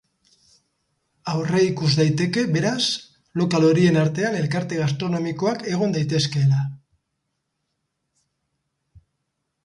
Aurreikus daiteke, beraz, lokal horien artean elkarte gastronomikoak egon daitezkela.